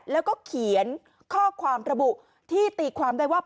แล้วก็เขียนข้อความระบุที่ตีความได้ว่า